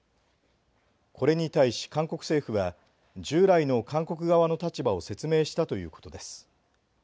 これに対し、韓国政府は従来の韓国側の立場を説明したということです。